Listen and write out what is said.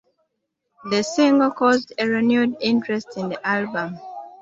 The single caused a renewed interest in the album.